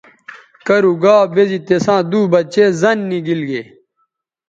کرُو گا بے زی تِساں دُو بچے زَن نی گیل گے۔